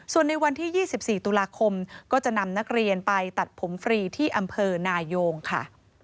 ส่วนในวันที่๒๔ตุลาคมก็จะนำนักเรียนไปตัดผมฟรีที่อำเภอนายงค่ะ